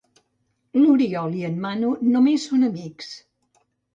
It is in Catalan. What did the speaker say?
L'Oriol i en Manu només són amics.